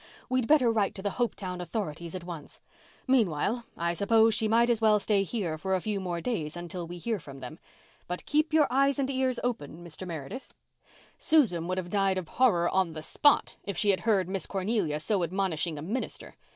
We'd better write to the Hopetown authorities at once. Meanwhile, I suppose she might as well stay here for a few more days till we hear from them. But keep your eyes and ears open, Mr. Meredith." Susan would have died of horror on the spot if she had heard Miss Cornelia so admonishing a minister.